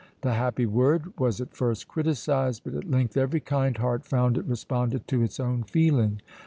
The happy word was at first criticised, but at length every kind heart found it responded to its own feeling.